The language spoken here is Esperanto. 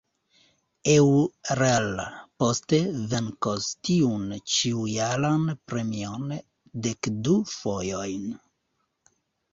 Euler poste venkos tiun ĉiujaran premion dekdu fojojn.